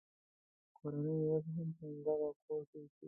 کورنۍ یې اوس هم په هماغه کور کې اوسي.